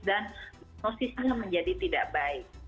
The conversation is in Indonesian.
dan diagnosisnya menjadi tidak baik